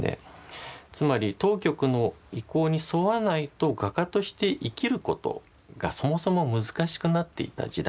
つまり当局の意向に沿わないと画家として生きることがそもそも難しくなっていた時代。